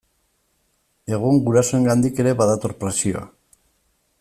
Egun gurasoengandik ere badator presioa.